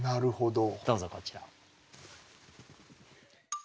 どうぞこちらを。